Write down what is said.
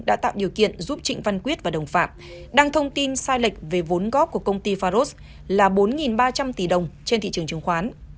đã tạo điều kiện giúp trịnh văn quyết và đồng phạm đăng thông tin sai lệch về vốn góp của công ty faros là bốn ba trăm linh tỷ đồng trên thị trường chứng khoán